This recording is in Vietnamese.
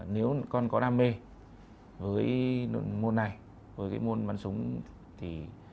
nếu con có đam mê với môn này với cái môn bắn súng thì